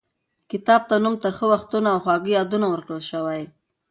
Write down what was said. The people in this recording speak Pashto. کتاب ته نوم ترخه وختونه او خواږه یادونه ورکړل شوی.